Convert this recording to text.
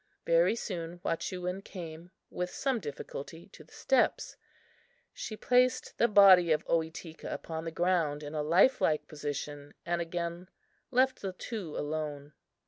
Very soon Wahchewin came with some difficulty to the steps. She placed the body of Ohitika upon the ground in a life like position and again left the two alone.